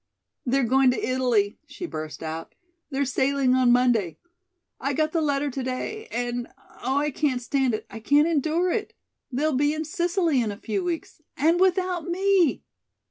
"They're going to Italy," she burst out. "They're sailing on Monday. I got the letter to day, and, oh, I can't stand it I can't endure it. They'll be in Sicily in a few weeks and without me!